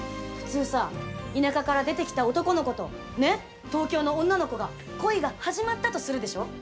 普通さ田舎から出てきた男の子とね、東京の女の子が恋が始まったとするでしょ？